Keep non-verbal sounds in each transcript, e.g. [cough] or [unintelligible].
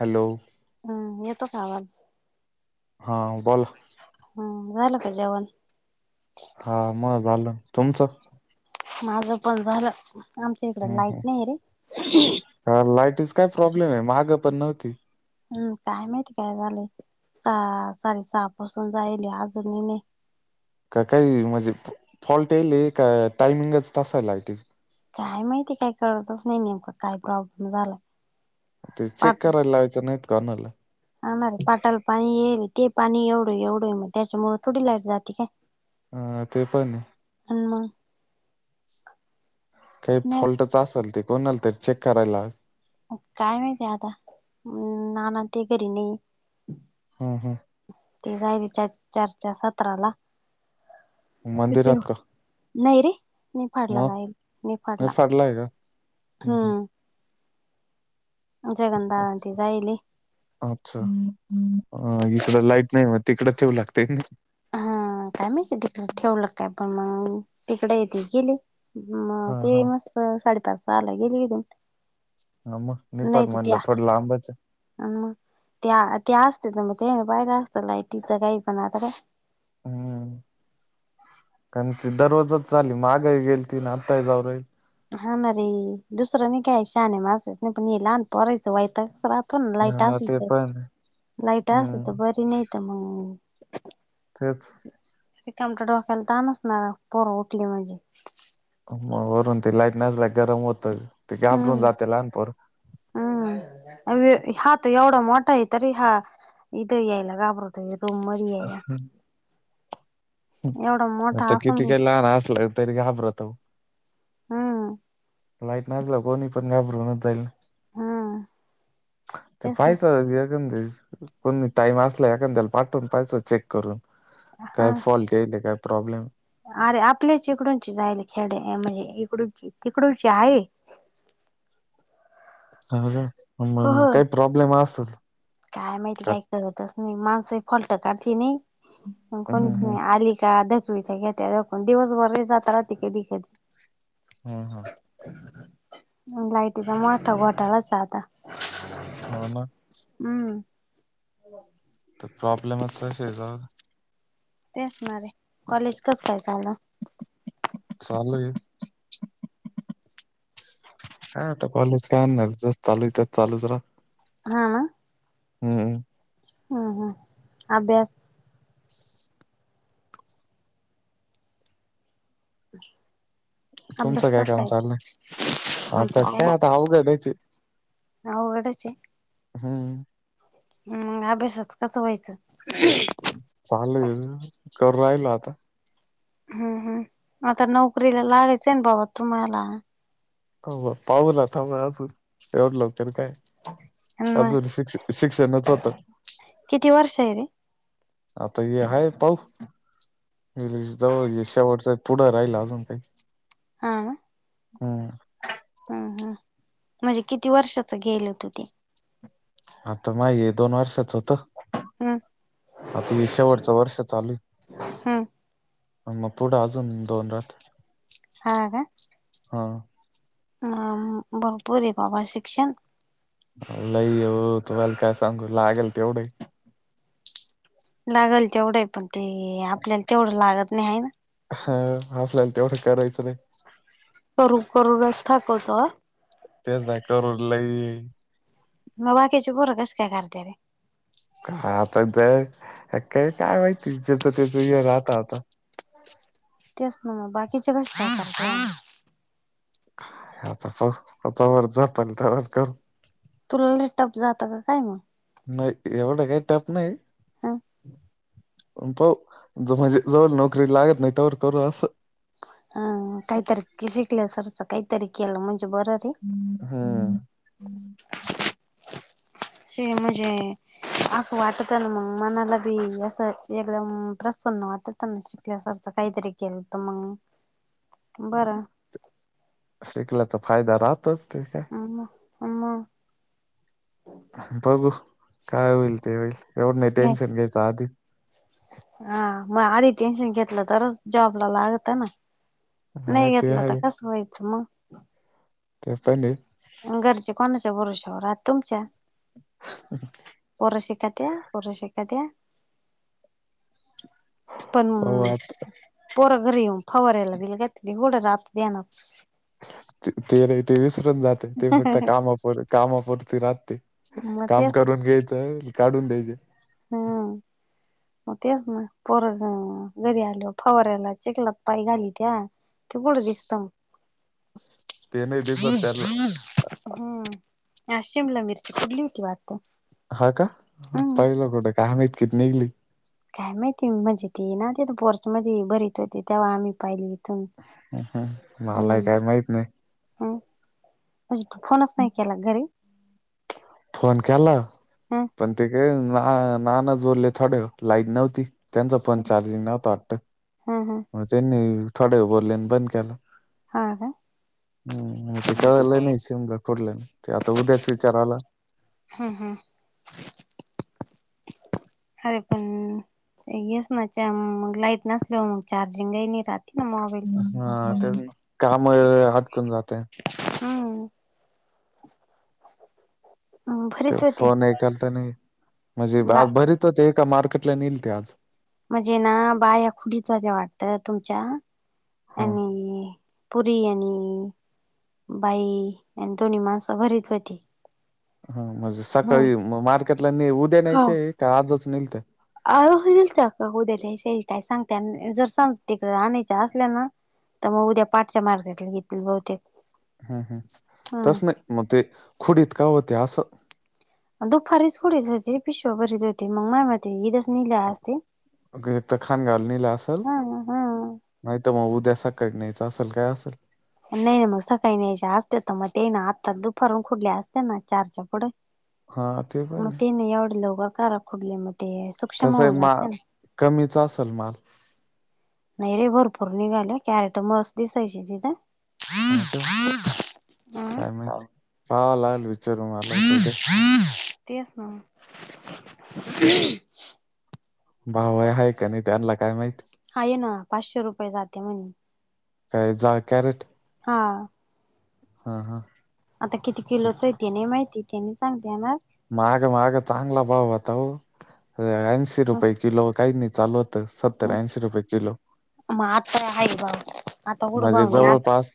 Hello. हम्म येतो का आवाज? हा बोला. हम्म झालं का जेवण? हा मग झालं तुमचं? माझ पण झालं आमच्या इकड लाईट नाही रे. अ लाईटच काय प्रॉब्लेम आहे महागं पण नव्हती. हम्म काय माहिती काय झालेयहा साडे सहापासून जायल अजूनही नाही. का काही म्हणजे फॉल्ट येल का टायमिंगच तसा आहे लायट काय माहिती काय करतच नाही नेमका काय प्रॉब्लेम झाला. ते चेक करायला लावायचं नाहीत का म्हटलं. हणार रे पाटाल पाणी येईल ते पाणी एवढं एवढं आहे मग त्याच्यामुळ थोडी लाईट जाते काय? हा ते पण. आणि मग. काही नाही फॉल्टच असेल ते कोणाल तर चेक करायला काय माहिती आहे आता ना ना ते घरी नाही. हा हा. ते जाय र चार चारच्या सतराला हम्म मंदिरात का नाही रे निफाडला मग जाईल निफाडला हम् हम. जगनदााी जाईल. अच्छा इकड लाईट नाही म तिकडे ठेवू लागते. हा काय माहिती तिकडे ठेवलं काय पण मग तिकडे येते गेले. म हा ते हा मस् साडेपाच आला गेली कथून [unintelligible] नाही तर त्या म्हणलं थोडं लांबच आहे अ ते ते असते तर मग ते ना पाहिर असतं लायटीचं काही पण आता काय? हम्म, कारण दररोजच चाली मागही गेल तीन आत्ता हा ना रे दुसरं नाही काय शा आहे मासेच नाही पण हे लहान परायचं वयच. राहतो ना लाईट हा असली ते तर पण लाईट असली हम्म तर बरी नाही. [unintelligible] तेच. कमटटकाायला तानचणार पोरं उठली म्हणजे. मग वरून ते लाईट नसल्या गरम होत ते घाबरून हम्म जाते लहानपोर. हम्म हा त एवढा मोठा आहे तरी हा इथ यायला घाबरत. रुमर आहे का. एवढा मोठा आता असून किती काही लहान असलं तरी घाबरत. हम्म. लाईट नाचला कोणी पण घाबरवूनच जाईल. हम्म [inaudible] ते तेच ना पाहतण ते. को टाइम असला एखांद्याला पाठवून पाहिच चेक करून हा काय फॉल्ट येईल काय प्रॉब्लेम अरे आपल्याच इकडूंची जाल खेडे म्हणजे इकडूची तिकडूची आहे. ह का हो हो म काही प्रॉब्लेम असत. काय माहिती काय करतच नाही माणस फलट काढते नाही. हम्म कोणीच हम्म नाही आली का? सुविधा घ्या त्या पण दिवसभर जातााती कधी हा हा लाईटचा मोठा घोटलाच आता हो ना हम्म तर प्रॉब्लेमच शचा ते असणारे कॉलेज कस काय झालं चालूये आता कॉलेज कायणार जस चालू आहे त्या चालूच रा हा हम् ह ह आ बेस हम् तुमचं अभ्यास काय काम करताय चाललंय आता काय आता अवघड आहेच आहे. आवघडचे हम् हम म अभ्यासात कसं व्हायचं चाल कर राहिल आता हम् हम् आता नोकरीला लागायचं आहे ना बाबा तुम्हाला पाहूला थांबजून एवढ लोक तररी काय अन मग अजूनरी शिक्ष शिक्षणच होतं किती वर्ष आहे रे आता हे आहे पाऊ जवळ शेवटत पुढं राहिला अजून काही हा हम हम ह म्हणजे किती वर्षाच गेयल होत ते आता माे दोन वर्षच होतं हम्म आता हे शेवटचं वर्ष चालू हम्म मग पुढं अजून दोन रात हा का हा ह भरपूर बाबा शिक्षण लई हो त व्हाल काय सांगू लागेल तेवढं लागाल तेवढं आहे पण ते आपल्याला तेवढं लागत नाही आहे ना ह हसल्या तेवढं करायचं रे करू करू रस ठाकवतो ते जाकर रल्लाय मग बाकी्याची पोर कस काय काते का आता काय काय माहिती ज त्याच राहत आता हो तेच ना मग बाकीचे कस सत का आता आता वर जातल त्या करू तुलले टप जातं का काय मग नाही एवढं काही टप नाही हा पाऊ म्हणजे जवळ नोकरी लागत नाही तर करू असं ह काही तारीख शिकल्या सरच काही तारीख केला म्हणजे बरं रे हा अस म्हणजे असं वाटत आहे ना मग मनाला बी असं एकदम प्रसन्न वाटत ना शिकल्यासारखं काहीतरी केलं तर मग बरं शिकल्या तर फायदा राहतच ते काय आम आम बघू काय होईल ते होईल एवढं नाही टेन्शन घ्यायच आधी हा मग आधी टेन्शन घेतलं तरच जॉबला लागत ना हा नाही ते घेतलं तर आहे कस व्हायचं मग ते पण हे घरचे कोणाच्या बरोशावर राहात तुमच्या ह पोर शिकात पोर शिकात पण पाहू आता पोरा घरी येऊन फवारायला दिल त घोडं रात देणं ते नाही ते विसरून जाते ते फक्त कामाप कामापुरती राहती मग काम तेच करून घ्यायचं अन् काढून द्यायचे हा मग तेच ना पोर घरी आल फवार्यायला चिकलात पाय घाली त्या ते पुढं दिसत ते नई दिसत त्याला हम्म आज शिमला मिरची फुढली होती वाटते हा का पहिलं कुठं काय माईत कीती निघली काय माहिती म्हणजे ते ना तेथ पोर्समध्येध्ये भरीत होती तेव्हा आम्ही पाहिली इथून. ह मलाय काय माहित नाही हम म्हजे तू फोनच नाही केला घरी फोन केला ह पण ते काय नाना ना ज बोलले थोडे लाईट नव्हती त्यांचा फोन चार्जिंग नव्हता वाट्ट ह ह मग त्यांनी थोड वेळ बोलले न बंद केला हा का हम् मग ते कळलं नाही शिमलं खोडलं नाही ते आता उद्याच विचाराला हां हां अरे पण येस ना लाईट नसल्यावर मग चार्जिंग नाही राहत हा ते काम हातकून राहत्यात हम ते भरीत होते. फोन ऐकाल तर नाही म्हणजे बा आज भरीत होते ए का मार्केटला नेईल ते आज म्हणजे ना बाया खुडीत होत्या वाटत तुमच्या ह आणि पुरी आणि बाई आणि दोणी माणसं भरीत होती हा म्हणजे हम्म. सकाळी मार्केटला न उद्या न्यायचे का आजच नेल तर अ दिल का उद्या काय सांगते जर सांग तिकडे राायच असल्या ना तर मग उद्या पाठच्या मार्केटला घेतली बहुतेक हम् हम् तस हम्म नाही मग ते खुडीत का होते असं दुपारीच हुडीच होती पिशव भरीच होती मग नाही माती ईदस नला असते ग तर खाण घालून नलं असेल हा हा. नाहीत मग उद्या सा कट नयचा असेल काय असेल नाही नाही मग सकाळी नाहीयच्या असते तर मग ते ना आत्ता दुपारून खुडले असते ना चारच्या पुढे हा मग पण आहे ते नाही एवढ ल काखुडले मग ते सूक्ष्म तस होऊन मा जाते ना. कमीचा असेल माल नाही रे भरपूर निघाले कॅरेट मस्त दिसायची तिथं हा का हम्म काय माहिती पाहावा लागल विचारू मला होत उद्या हां तेच ना बाव आहे का नाही त्यांला काय माहित हा ना पाचशे रुपये जाते मी का जाहा कॅरट हा हा हा आता किती किलोचं येते नाही माहिती तेे नाही सांग़ता येनार आम्हाला माग माग चांगला भाव आता हो ऐंशी रुपये किलो काही नाही चालवत सत्तर ऐंशी रुपये किलो मात है बा आता उडबा म्हणजे मी आ जवळपास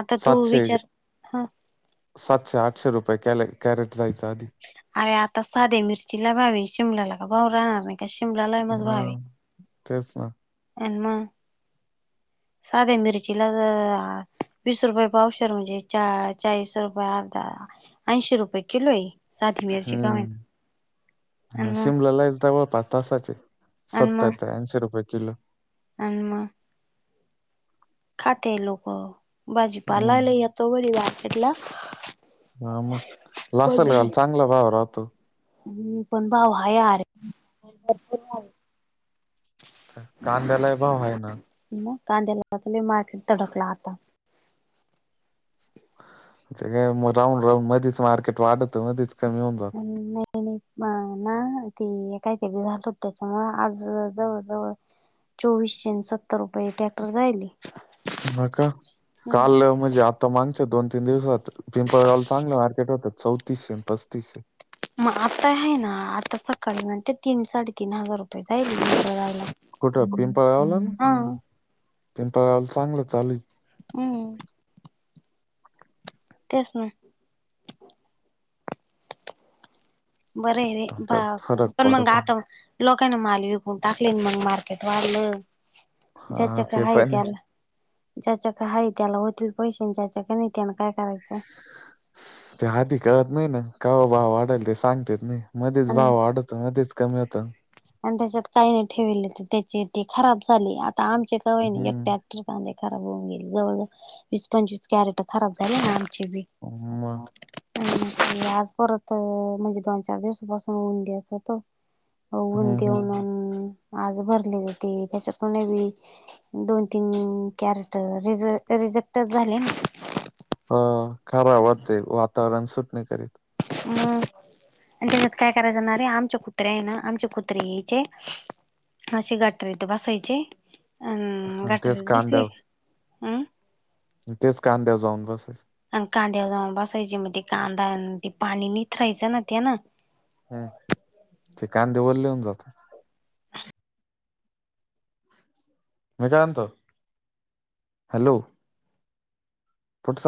आता तू सातशे विचार ह सातशे आठशे रुपये कॅ कॅरेट जायचं आधी अरे आता साधे मिरची ला भा्हावे शिमलाला का भाऊ राहणार नाही का शिमलाला ने हा भा्हावे तेच ना ऐने साध्या मिरीचला वीस रुपये पावशर म्हणजे चा चाळीस रुपये अर्धा ऐंशी रुपये किलो आहे साधी मिरची का होईना हम्म ह आणि मग शिमलालाच लयदाव वोतात तासाचे सत्तर ते ऐंशी रुपये किलो आ्मा खाते लोक बाजीपाला हम्म लईयातो बडी वाट ला ह मग लासा लेवाल चांगला भाव राहतो हम्म पण भाऊ हा यार कांद्यालय भाव हाय ना म कांद्याला तय मार्केट तडकला आता सगळे मग राहून राहून मधीच मार्केट वाढत मध्येीच कमी होऊन जात नाही नाही माना ते काहीतरी झालत त्याच्यामु आज जवळ जवळ चोवीसशे सत्तर रुपये ट्रॅक्टर जायली नका काल म्हणजे आत मागच्या दोन तीन दिवसात पिंपळ गावल चांगले मार्केट होतात चौतीसशे पस्तीसशे मग आता आहे ना आता सकाळी म्हण तीन साडेतीीन हजार रुपये जाईल म बरायला कुठं पिंपळ गावला पिंपळ गावाला चांगलं चालीन हम् तेच ना बरं रे प आता फरक पण मंग पडतो आता लोकांना माल विकून टाकले मग मार्केट वाारलं ज्याच हा ते काय पण आहे. त्याला ज्याच्या काय हा त्याला होतील पैसे आणि ज्याच्या का नाही त्याना काय करायच त्या हाती कळत नाही ना कावा भाव वाढाल ते सांगतेच नाही मध्येच आणि भाव वाढत मध्येच कमी होतं आणि त्याच्यात काही नाही ठेवले त्याची तेी खराब झाली आता आमचे कवाय नाही हम्म एकट्यात हे कांदे खराब होऊन गेले जवळ जवळ वीस पंचवीस कॅरेट खराब झाली ऐवी म आज परत तर म्हणजे दोन चार दिवसापासून ऊन घ्य होतो होऊन हम्म हम्म देऊन आज भरली ती त्याच्यातून दोन तीन कॅरेट र रिझेक्टच झाले ह खराब वाते वातावरण सुटणे करीत म त्याच्यात काय कराय जाणारे आमचे कुत्रे आहे ना आमचे कुत्रे हचे असे गटरीत बसायचे अ आणि तेच गटरीत दिसले कांद्यावर तेच कांद्यावर जाऊन बसेस आणि कांद्यावर जाऊन बसायचे मग ते कांदा ते पाणी निथ राहायचं ना त्या ना हम ते कांदे वलेहोवुन जातात मी काय म्हणतो हॅलो. फुटस.